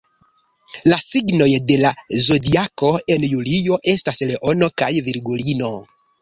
La signoj de la Zodiako en julio estas Leono kaj Virgulino.